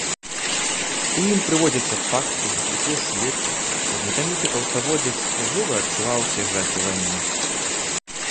У ім прыводзяцца факты, якія сведчаць, што знакаміты палкаводзец жыва адчуваў ўсе жахі вайны.